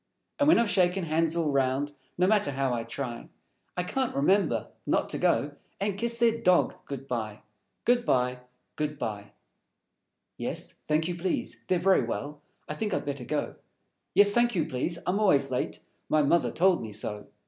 And when I've shaken hands all round, No matter how I try, I can't remember Not to go And Kiss their Dog good by, Good by, Good by! Yes, thank you, please. They're Very Well; I think I'd better go. _Yes, thank you, please. I'm always late; My Mother told me so.